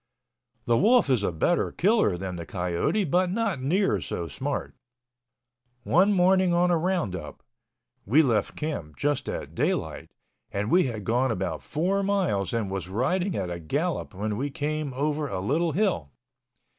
The wolf is a better killer than the coyote but not near so smart. One morning on a roundup, we left camp just at daylight and we had gone about four miles and was riding at a gallop when we came over a little hill.